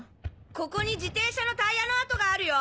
ここに自転車のタイヤの跡があるよ！